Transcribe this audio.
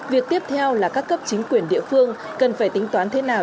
việc tiếp theo là các cấp chính quyền địa phương cần phải tính toán thế nào